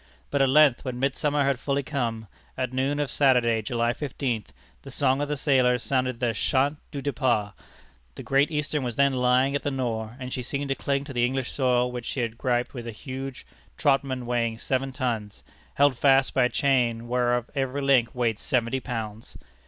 But at length, when midsummer had fully come at noon of Saturday, July fifteenth the song of the sailors sounded the chant du départ. The Great Eastern was then lying at the Nore, and she seemed to cling to the English soil which she had griped with a huge Trotman weighing seven tons, held fast by a chain whereof every link weighed seventy pounds!